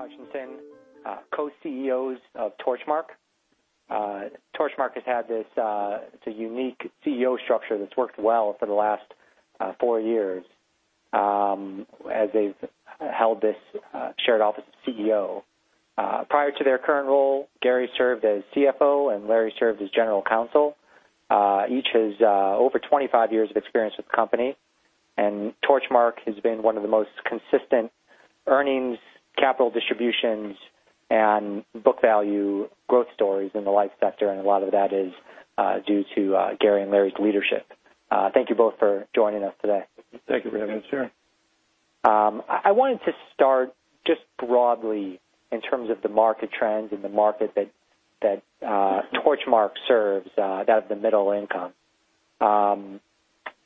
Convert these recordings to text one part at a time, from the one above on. Larry Hutchison, Co-CEOs of Torchmark. Torchmark has had this unique CEO structure that's worked well for the last four years as they've held this shared office of CEO. Prior to their current role, Gary served as CFO and Larry served as general counsel. Each has over 25 years of experience with the company. Torchmark has been one of the most consistent earnings, capital distributions, and book value growth stories in the life sector, and a lot of that is due to Gary and Larry's leadership. Thank you both for joining us today. Thank you for having us. Thank you. I wanted to start just broadly in terms of the market trends in the market that Torchmark serves, that of the middle income.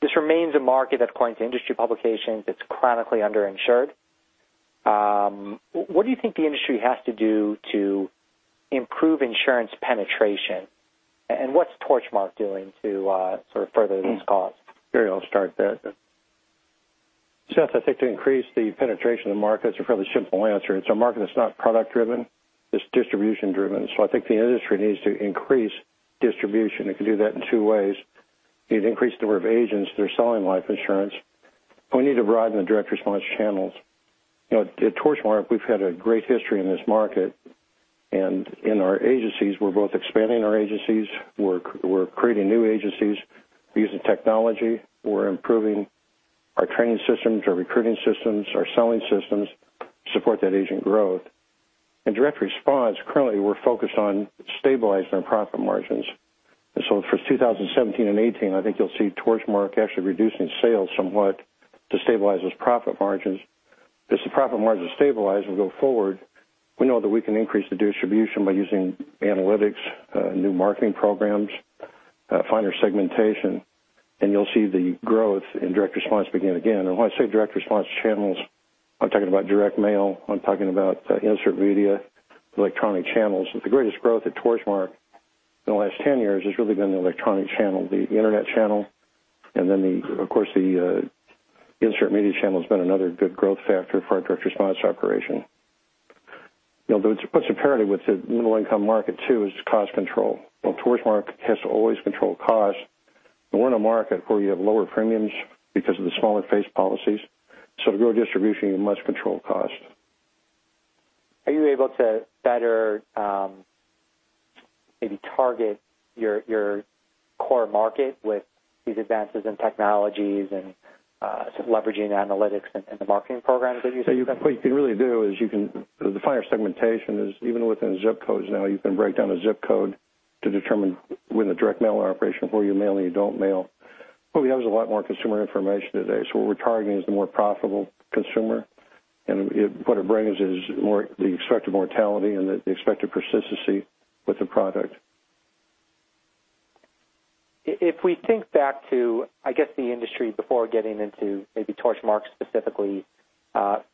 This remains a market that, according to industry publications, it's chronically under-insured. What do you think the industry has to do to improve insurance penetration, and what's Torchmark doing to sort of further this cause? Gary will start that. Seth, I think to increase the penetration of the market is a fairly simple answer. It's a market that's not product driven, it's distribution driven. I think the industry needs to increase distribution. It can do that in two ways. You need to increase the number of agents that are selling life insurance. We need to broaden the direct response channels. At Torchmark, we've had a great history in this market and in our agencies, we're both expanding our agencies. We're creating new agencies using technology. We're improving our training systems, our recruiting systems, our selling systems to support that agent growth. In direct response, currently, we're focused on stabilizing our profit margins. For 2017 and 2018, I think you'll see Torchmark actually reducing sales somewhat to stabilize those profit margins. As the profit margins stabilize and go forward, we know that we can increase the distribution by using analytics, new marketing programs, finer segmentation, and you'll see the growth in direct response begin again. When I say direct response channels, I'm talking about direct mail, I'm talking about insert media, electronic channels. The greatest growth at Torchmark in the last 10 years has really been the electronic channel, the internet channel, and then of course, the insert media channel has been another good growth factor for our direct response operation. What's imperative with the middle income market too is cost control. Torchmark has to always control cost. We're in a market where you have lower premiums because of the smaller face policies. To grow distribution, you must control cost. Are you able to better maybe target your core market with these advances in technologies and leveraging analytics and the marketing programs that you said? What you can really do is the finer segmentation is even within zip codes now, you can break down a zip code to determine when the direct mail operation, who you mail and you don't mail. We have a lot more consumer information today. What we're targeting is the more profitable consumer, and what it brings is the expected mortality and the expected persistency with the product. If we think back to, I guess, the industry before getting into maybe Torchmark specifically,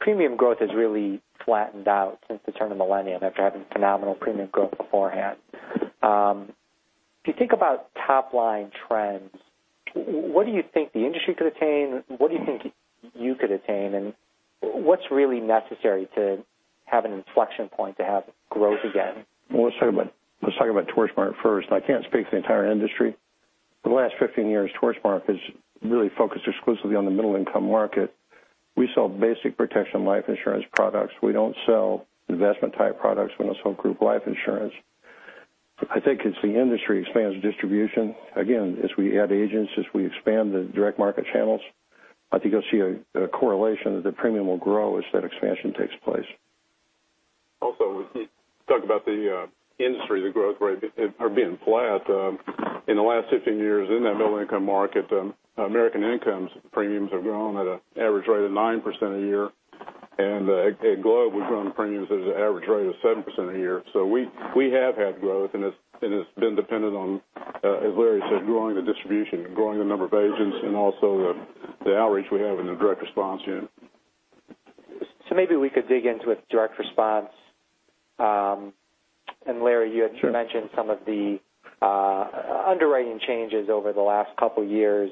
premium growth has really flattened out since the turn of the millennium after having phenomenal premium growth beforehand. If you think about top-line trends, what do you think the industry could attain? What do you think you could attain, and what's really necessary to have an inflection point to have growth again? Well, let's talk about Torchmark first. I can't speak for the entire industry. For the last 15 years, Torchmark has really focused exclusively on the middle-income market. We sell basic protection life insurance products. We don't sell investment-type products. We don't sell group life insurance. I think as the industry expands distribution, again, as we add agents, as we expand the direct market channels, I think you'll see a correlation that the premium will grow as that expansion takes place. Talk about the industry, the growth rate being flat. In the last 15 years in that middle-income market, American Income's premiums have grown at an average rate of 9% a year. And at Globe, we've grown premiums at an average rate of 7% a year. So we have had growth, and it's been dependent on, as Larry said, growing the distribution, growing the number of agents, and also the outreach we have in the direct response unit. Maybe we could dig into direct response. And Larry, you had mentioned some of the underwriting changes over the last couple of years.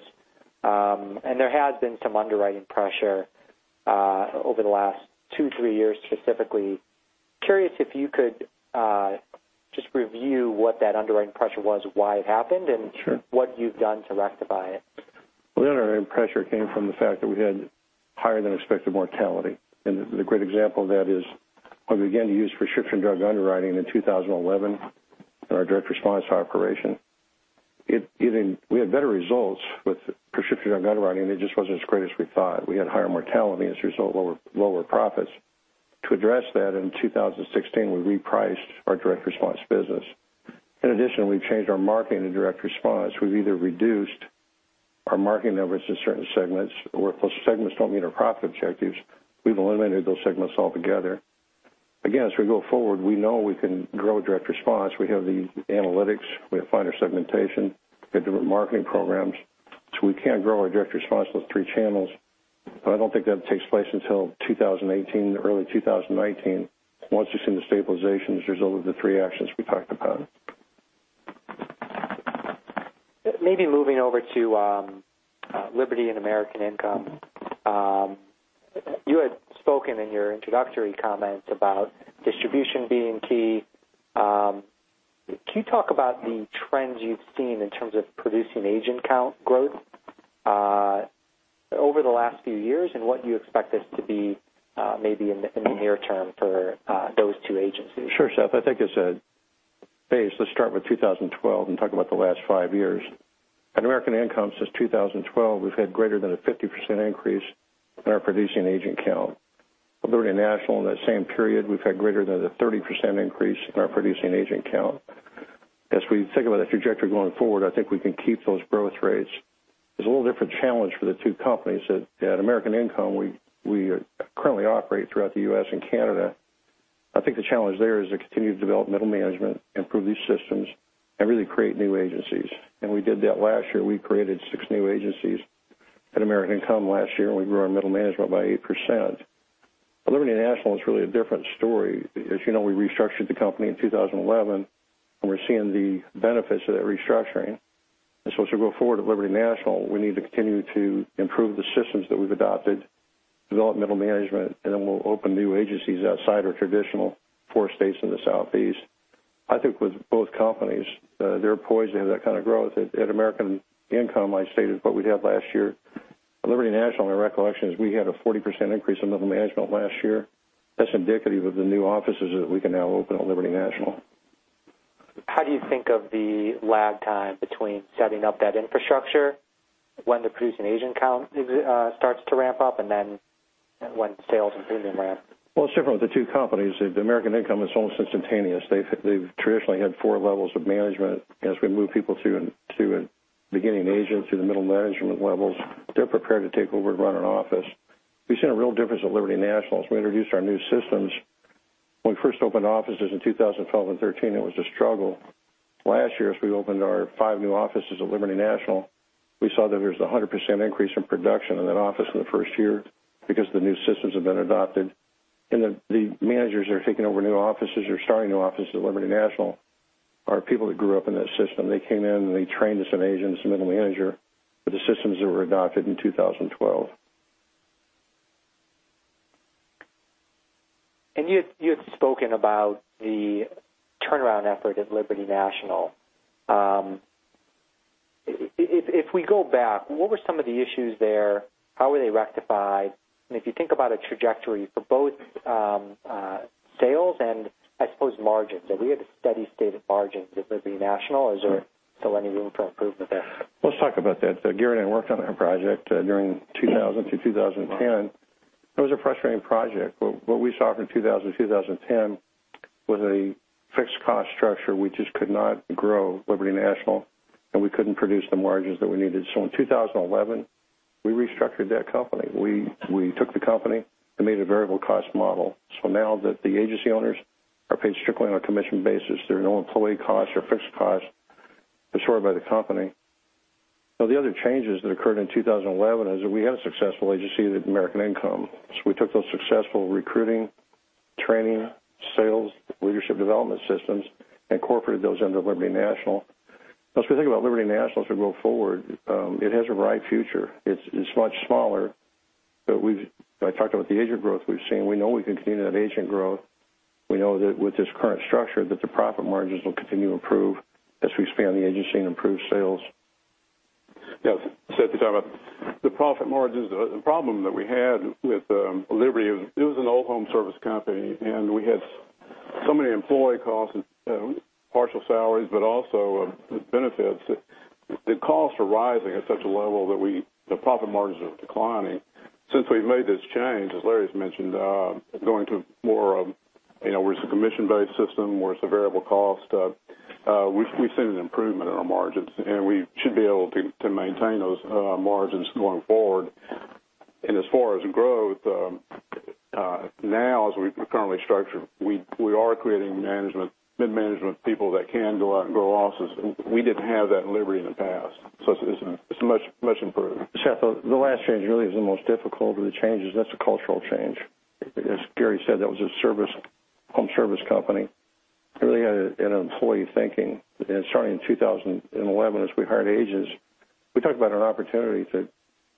And there has been some underwriting pressure over the last two, three years specifically. Curious if you could just review what that underwriting pressure was, why it happened- Sure what you've done to rectify it. Well, the underwriting pressure came from the fact that we had higher than expected mortality. The great example of that is when we began to use prescription drug underwriting in 2011 in our direct response operation. We had better results with prescription drug underwriting. It just wasn't as great as we thought. We had higher mortality and as a result, lower profits. To address that, in 2016, we repriced our direct response business. In addition, we've changed our marketing in direct response. We've either reduced our marketing numbers to certain segments, or if those segments don't meet our profit objectives, we've eliminated those segments altogether. Again, as we go forward, we know we can grow direct response. We have the analytics. We have finer segmentation. We have different marketing programs. We can grow our direct response with three channels, but I don't think that takes place until 2018 or early 2019 once you've seen the stabilizations result of the three actions we talked about. Maybe moving over to Liberty and American Income. You had spoken in your introductory comments about distribution being key. Can you talk about the trends you've seen in terms of producing agent count growth over the last few years, and what you expect this to be maybe in the near term for those two agencies? Sure, Seth. I think as a base, let's start with 2012 and talk about the last five years. At American Income since 2012, we've had greater than a 50% increase in our producing agent count. At Liberty National, in that same period, we've had greater than a 30% increase in our producing agent count. As we think about that trajectory going forward, I think we can keep those growth rates. There's a little different challenge for the two companies. At American Income, we currently operate throughout the U.S. and Canada. I think the challenge there is to continue to develop middle management, improve these systems, and really create new agencies. We did that last year. We created six new agencies at American Income last year, and we grew our middle management by 8%. At Liberty National, it's really a different story. As you know, we restructured the company in 2011, and we're seeing the benefits of that restructuring. As we go forward at Liberty National, we need to continue to improve the systems that we've adopted, develop middle management, and then we'll open new agencies outside our traditional four states in the Southeast. I think with both companies, they're poised to have that kind of growth. At American Income, I stated what we had last year. At Liberty National, my recollection is we had a 40% increase in middle management last year. That's indicative of the new offices that we can now open at Liberty National. How do you think of the lag time between setting up that infrastructure, when the producing agent count starts to ramp up, and then when sales and premium ramp? Well, it's different with the two companies. At American Income, it's almost instantaneous. They've traditionally had four levels of management. As we move people to a beginning agent through the middle management levels, they're prepared to take over and run an office. We've seen a real difference at Liberty National. As we introduced our new systems, when we first opened offices in 2012 and 2013, it was a struggle. Last year, as we opened our five new offices at Liberty National, we saw that there was a 100% increase in production in that office in the first year because the new systems have been adopted. The managers that are taking over new offices or starting new offices at Liberty National are people that grew up in that system. They came in, and they trained as an agent, as a middle manager, with the systems that were adopted in 2012. You had spoken about the turnaround effort at Liberty National. If we go back, what were some of the issues there? How were they rectified? If you think about a trajectory for both sales and, I suppose, margins. Are we at a steady state of margins at Liberty National, or is there still any room for improvement there? Let's talk about that. Gary and I worked on that project during 2000-2010. It was a frustrating project. What we saw from 2000-2010 was a fixed cost structure. We just could not grow Liberty National, and we couldn't produce the margins that we needed. In 2011, we restructured that company. We took the company and made a variable cost model. Now that the agency owners are paid strictly on a commission basis, there are no employee costs or fixed costs absorbed by the company. The other changes that occurred in 2011 is that we had a successful agency at American Income. We took those successful recruiting, training, sales, leadership development systems, and incorporated those into Liberty National. We think about Liberty National, as we go forward, it has a bright future. It's much smaller, I talked about the agent growth we've seen. We know we can continue to have agent growth. We know that with this current structure, that the profit margins will continue to improve as we expand the agency and improve sales. Yes, Seth, you talk about the profit margins. The problem that we had with Liberty, it was an old home service company, we had so many employee costs and partial salaries, also benefits. The costs were rising at such a level that the profit margins were declining. We've made this change, as Larry's mentioned, going to more of where it's a commission-based system, where it's a variable cost, we've seen an improvement in our margins, and we should be able to maintain those margins going forward. As far as growth, now as we're currently structured, we are creating management, mid-management people that can go out and grow offices. We didn't have that at Liberty in the past. It's much improved. Seth, the last change really is the most difficult of the changes. That's a cultural change. As Gary said, that was a home service company. Really had an employee thinking. Starting in 2011, as we hired agents, we talked about an opportunity to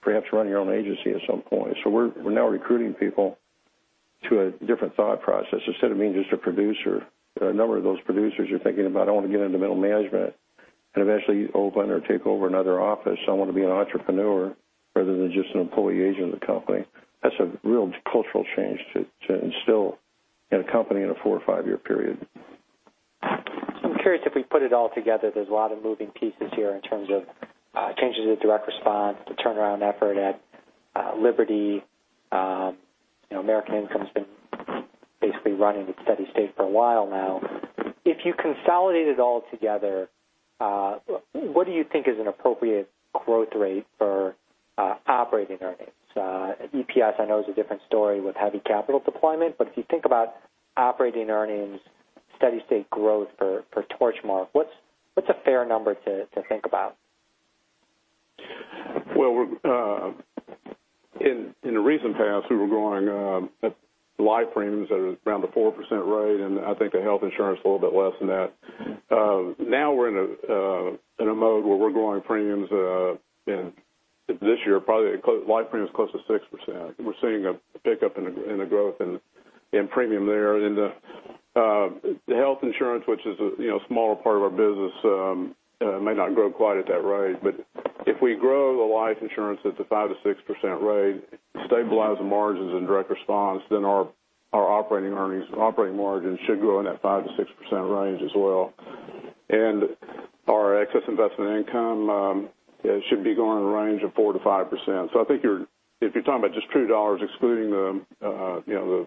perhaps run your own agency at some point. We're now recruiting people to a different thought process. Instead of being just a producer, a number of those producers are thinking about, I want to get into middle management and eventually open or take over another office. I want to be an entrepreneur rather than just an employee agent of the company. That's a real cultural change to instill in a company in a four or five-year period. I'm curious if we put it all together, there's a lot of moving pieces here in terms of changes in direct response, the turnaround effort at Liberty. American Income's been basically running at steady state for a while now. If you consolidated all together, what do you think is an appropriate growth rate for operating earnings? EPS I know is a different story with heavy capital deployment, but if you think about operating earnings, steady state growth for Torchmark, what's a fair number to think about? Well, in the recent past, we were growing life premiums at around a 4% rate, and I think the health insurance a little bit less than that. Now we're in a mode where we're growing premiums in this year, probably life premiums close to 6%. We're seeing a pickup in the growth in premium there. In the health insurance, which is a smaller part of our business, may not grow quite at that rate, but if we grow the life insurance at the 5%-6% rate, stabilize the margins in direct response, our operating earnings, operating margins should grow in that 5%-6% range as well. Our excess investment income should be growing in the range of 4%-5%. I think if you're talking about just true dollars, excluding the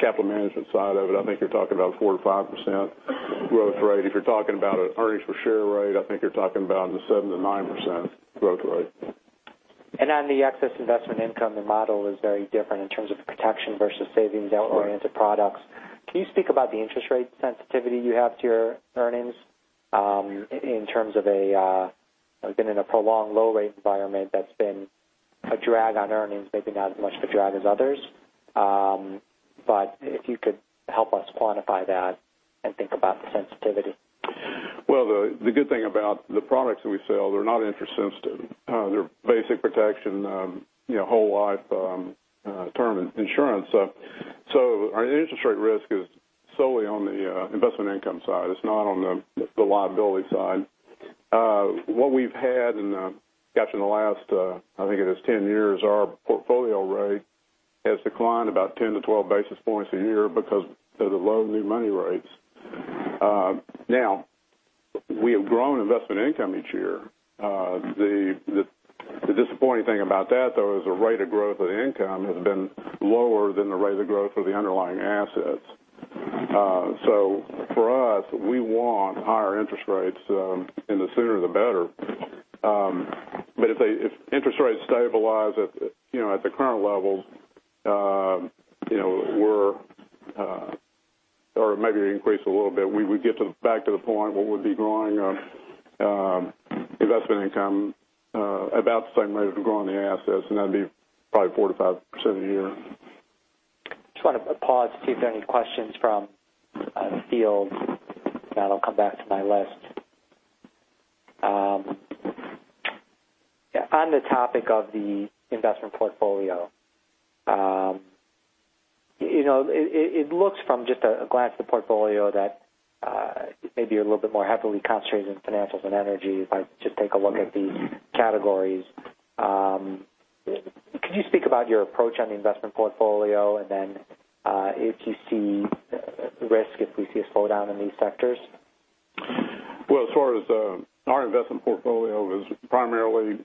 capital management side of it, I think you're talking about a 4%-5% growth rate. If you're talking about an earnings per share rate, I think you're talking about in the 7%-9% growth rate. On the excess investment income, the model is very different in terms of protection versus savings account-oriented products. Can you speak about the interest rate sensitivity you have to your earnings? We've been in a prolonged low rate environment that's been a drag on earnings, maybe not as much of a drag as others. If you could help us quantify that and think about the sensitivity. The good thing about the products that we sell, they're not interest sensitive. They're basic protection, whole life term insurance. Our interest rate risk is solely on the investment income side. It's not on the liability side. What we've had in the last 10 years, our portfolio rate has declined about 10 to 12 basis points a year because of the low new money rates. We have grown investment income each year. The disappointing thing about that, though, is the rate of growth of the income has been lower than the rate of growth of the underlying assets. For us, we want higher interest rates, and the sooner the better. If interest rates stabilize at the current levels or maybe increase a little bit, we would get back to the point where we'd be growing investment income about the same rate as we're growing the assets, and that'd be probably 4%-5% a year. Just want to pause to see if there are any questions from the field. I'll come back to my list. On the topic of the investment portfolio. It looks from just a glance at the portfolio that maybe you're a little bit more heavily concentrated in financials and energy if I just take a look at these categories. Could you speak about your approach on the investment portfolio and then if you see risk if we see a slowdown in these sectors? Well, as far as our investment portfolio is primarily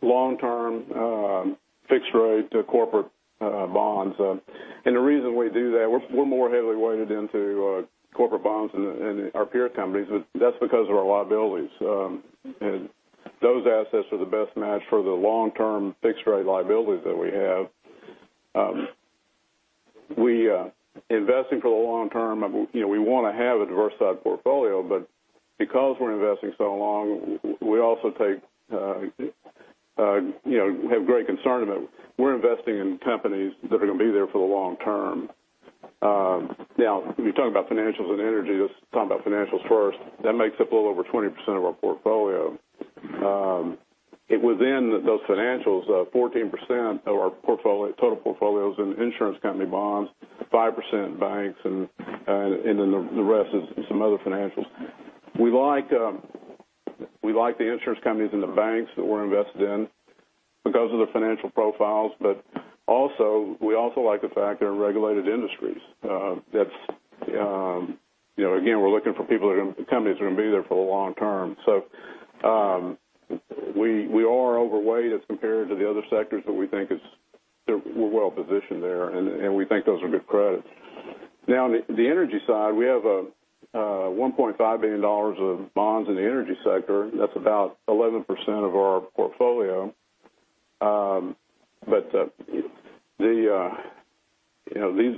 long-term fixed rate corporate bonds. The reason we do that, we're more heavily weighted into corporate bonds than our peer companies. That's because of our liabilities. Those assets are the best match for the long-term fixed rate liabilities that we have. Investing for the long term, we want to have a diversified portfolio, but because we're investing so long, we also have great concern about we're investing in companies that are going to be there for the long term. Now, when you're talking about financials and energy, let's talk about financials first. That makes up a little over 20% of our portfolio. Within those financials, 14% of our total portfolio is in insurance company bonds, 5% banks, and then the rest is some other financials. We like the insurance companies and the banks that we're invested in because of their financial profiles, but also we also like the fact they're regulated industries. Again, we're looking for companies that are going to be there for the long term. We are overweight as compared to the other sectors, but we think we're well positioned there, and we think those are good credits. Now, on the energy side, we have $1.5 billion of bonds in the energy sector. That's about 11% of our portfolio.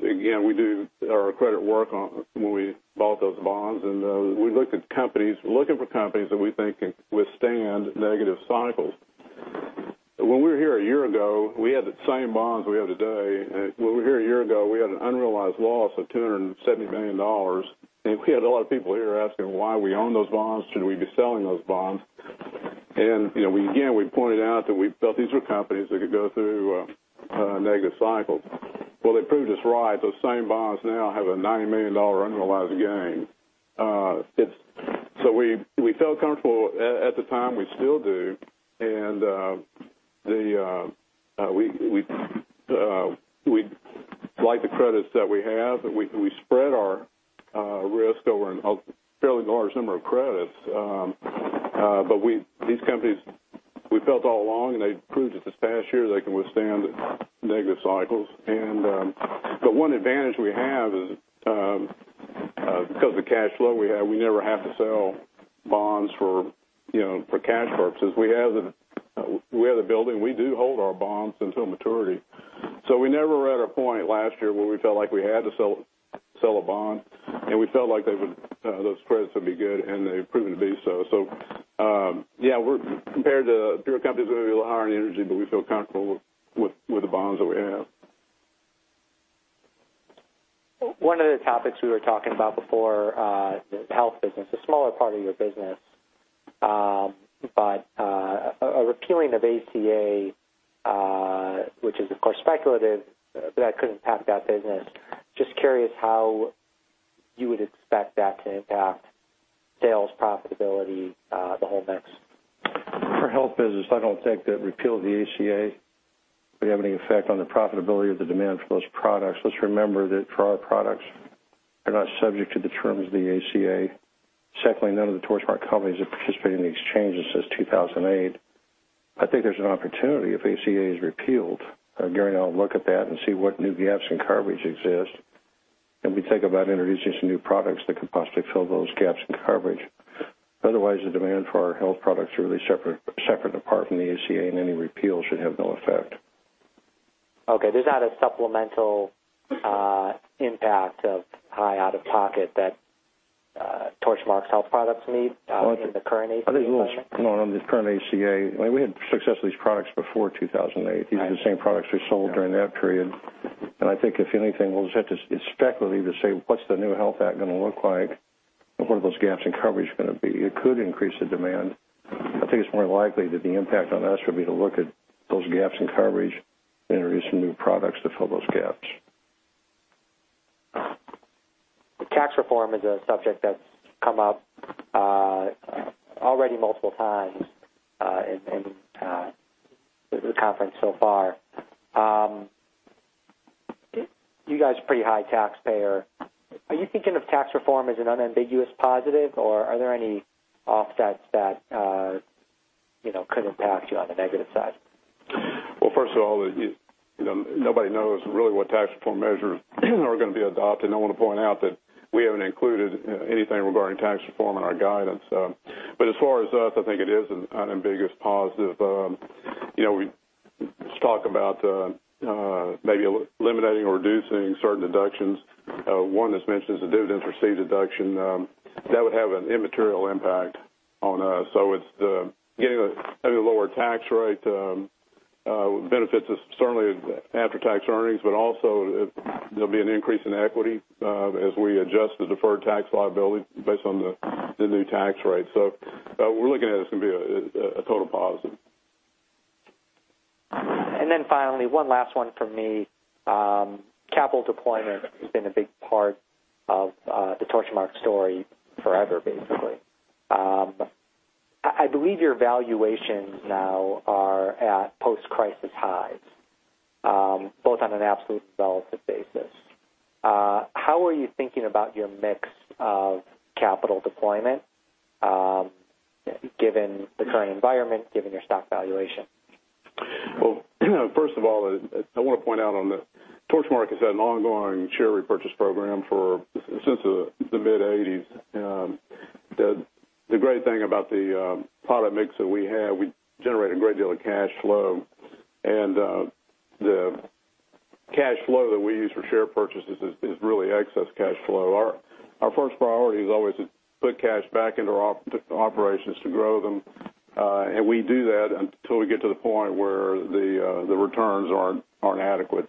Again, we do our credit work when we bought those bonds, and we looked at companies, looking for companies that we think can withstand negative cycles. When we were here a year ago, we had the same bonds we have today. When we were here a year ago, we had an unrealized loss of $270 million, and we had a lot of people here asking why we own those bonds, should we be selling those bonds. Again, we pointed out that we felt these were companies that could go through a negative cycle. Well, they proved us right. Those same bonds now have a $90 million unrealized gain. We felt comfortable at the time, we still do, and we like the credits that we have, and we spread our risk over a fairly large number of credits. These companies, we felt all along, and they proved it this past year, they can withstand negative cycles. The one advantage we have is because of the cash flow we have, we never have to sell bonds for cash purposes. We have a building. We do hold our bonds until maturity. We never were at a point last year where we felt like we had to sell a bond, and we felt like those credits would be good, and they've proven to be so. Yeah, compared to peer companies, we have a little higher in energy, but we feel comfortable with the bonds that we have. One of the topics we were talking about before, the health business, a smaller part of your business. A repealing of ACA, which is of course speculative, that could impact that business. Just curious how you would expect that to impact sales profitability, the whole mix. For health business, I don't think that repeal of the ACA would have any effect on the profitability of the demand for those products. Let's remember that for our products, they're not subject to the terms of the ACA. Secondly, none of the Torchmark companies have participated in the exchanges since 2008. I think there's an opportunity if ACA is repealed, Gary and I will look at that and see what new gaps in coverage exist, and we think about introducing some new products that could possibly fill those gaps in coverage. Otherwise, the demand for our health products are really separate apart from the ACA, and any repeal should have no effect. Okay. There's not a supplemental impact of high out-of-pocket that Torchmark's health products meet in the current ACA environment? I think we'll come on under the current ACA. We had success with these products before 2008. Right. These are the same products we sold during that period. I think if anything, it's speculative to say what's the new health act going to look like and what are those gaps in coverage going to be. It could increase the demand. I think it's more likely that the impact on us would be to look at those gaps in coverage and introduce some new products to fill those gaps. The tax reform is a subject that's come up already multiple times in the conference so far. You guys are pretty high taxpayer. Are you thinking of tax reform as an unambiguous positive, or are there any offsets that could impact you on the negative side? Well, first of all, nobody knows really what tax reform measures are going to be adopted. I want to point out that we haven't included anything regarding tax reform in our guidance. As far as us, I think it is an unambiguous positive. We talk about maybe eliminating or reducing certain deductions. One that's mentioned is the dividends-received deduction. That would have an immaterial impact on us. It's the getting a lower tax rate benefits certainly after-tax earnings, but also there'll be an increase in equity as we adjust the deferred tax liability based on the new tax rate. We're looking at it as going to be a total positive. Finally, one last one from me. Capital deployment has been a big part of the Torchmark story forever, basically. I believe your valuations now are at post-crisis highs, both on an absolute and relative basis. How are you thinking about your mix of capital deployment, given the current environment, given your stock valuation? First of all, I want to point out on the Torchmark has had an ongoing share repurchase program since the mid-'80s. The great thing about the product mix that we have, we generate a great deal of cash flow, the cash flow that we use for share purchases is really excess cash flow. Our first priority is always to put cash back into operations to grow them. We do that until we get to the point where the returns aren't adequate.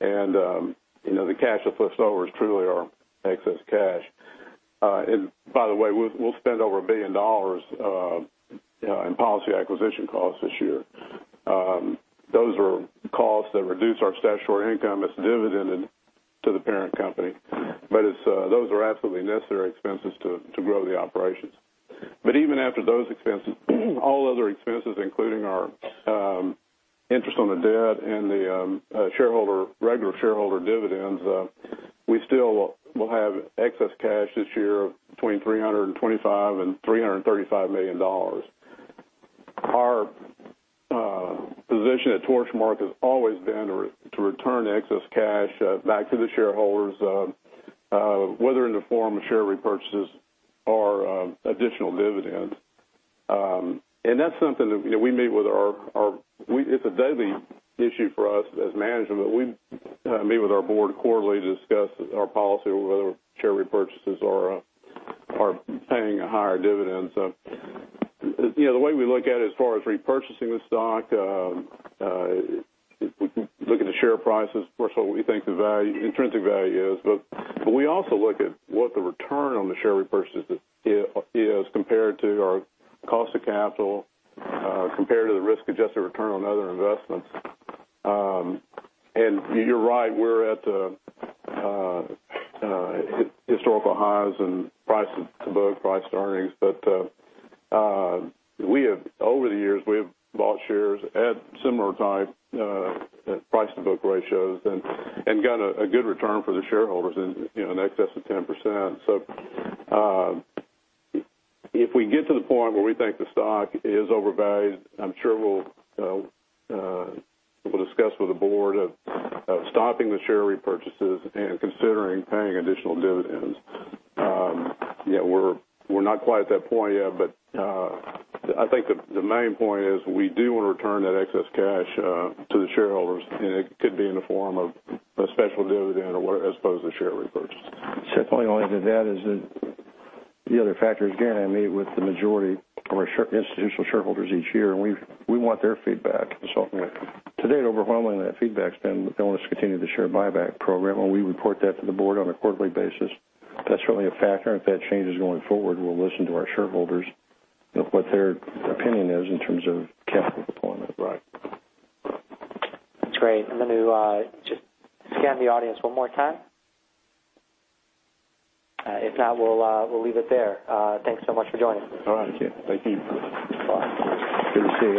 The cash that flips over is truly our excess cash. By the way, we'll spend over $1 billion in policy acquisition costs this year. Those are costs that reduce our statutory income that's dividended to the parent company. Those are absolutely necessary expenses to grow the operations. Even after those expenses, all other expenses, including our interest on the debt and the regular shareholder dividends, we still will have excess cash this year between $325 million-$335 million. Our position at Torchmark has always been to return excess cash back to the shareholders, whether in the form of share repurchases or additional dividends. That's something that, we meet with our It's a daily issue for us as management. We meet with our board quarterly to discuss our policy, whether share repurchases or paying a higher dividend. The way we look at, as far as repurchasing the stock, we look at the share prices, first of all, what we think the intrinsic value is. We also look at what the return on the share repurchase is compared to our cost of capital, compared to the risk-adjusted return on other investments. You're right, we're at historical highs in price to book, price to earnings. Over the years, we have bought shares at similar type price-to-book ratios and got a good return for the shareholders in excess of 10%. If we get to the point where we think the stock is overvalued, I'm sure we'll discuss with the board of stopping the share repurchases and considering paying additional dividends. We're not quite at that point yet, but I think the main point is we do want to return that excess cash to the shareholders, and it could be in the form of a special dividend as opposed to share repurchase. Secondly, I'll add to that is that the other factor is, Gary and I meet with the majority of our institutional shareholders each year, we want their feedback. Yeah. To date, overwhelmingly, that feedback's been they want us to continue the share buyback program, and we report that to the board on a quarterly basis. That's really a factor. If that changes going forward, we'll listen to our shareholders, what their opinion is in terms of capital deployment. Right. That's great. I'm going to just scan the audience one more time. If not, we'll leave it there. Thanks so much for joining us. All right. Okay. Thank you. Bye. Good to see you all.